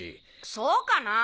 そうかなぁ。